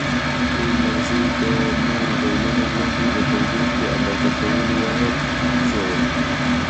د انرژي د نورو ډولونو غوندې د تودوخې اندازه کولو واحد ژول دی.